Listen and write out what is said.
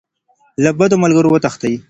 له بدو ملګرو وتښتئ.